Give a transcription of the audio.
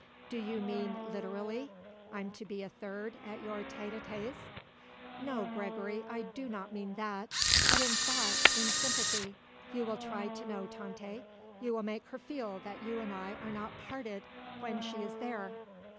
"Do you mean literally? I'm to be a third at your tête à têtes?" "No, Gregory, I do not mean that; but in thought, in sympathy. You will try to know Tante. You will make her feel that you and I are not parted when she is there."